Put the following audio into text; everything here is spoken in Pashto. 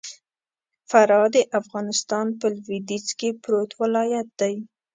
فراه د افغانستان په لوېديځ کي پروت ولايت دئ.